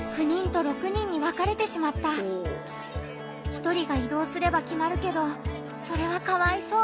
１人が移動すれば決まるけどそれはかわいそう。